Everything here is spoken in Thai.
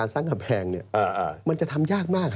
ตั้งคำแพงเนี่ยมันจะทำยากมาก